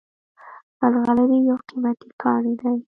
ملغلرې یو قیمتي کاڼی دی